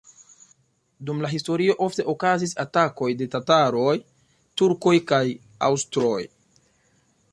Dum la historio ofte okazis atakoj de tataroj, turkoj kaj aŭstroj.